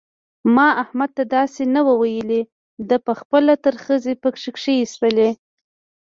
ما احمد ته داسې نه وو ويلي؛ ده په خپله ترخځي په کښېيستلې.